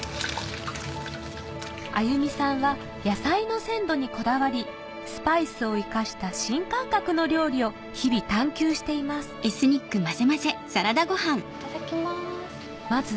あゆ美さんは野菜の鮮度にこだわりスパイスを生かした新感覚の料理を日々探求していますいただきます。